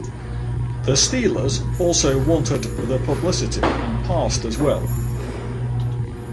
The Steelers also wanted the publicity and passed as well.